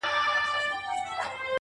• ځوان د سگريټو تسه کړې قطۍ وغورځول.